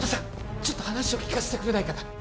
ちょっと話を聞かせてくれないかな？